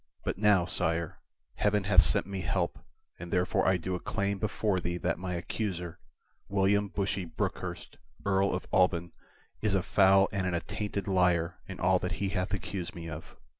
But now, sire, Heaven hath sent me help, and therefore I do acclaim before thee that my accuser, William Bushy Brookhurst, Earl of Alban, is a foul and an attainted liar in all that he hath accused me of.